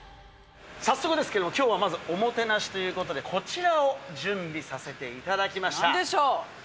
早速ですけども、きょうはまず、おもてなしということで、こちらを準備させていただきましなんでしょう。